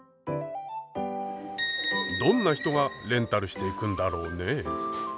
どんな人がレンタルしていくんだろうねえ？